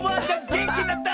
げんきになった！